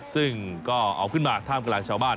ซึ่งก็เอาขึ้นมาท่ามกลางชาวบ้าน